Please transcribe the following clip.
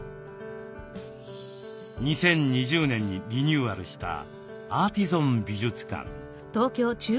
２０２０年にリニューアルしたアーティゾン美術館。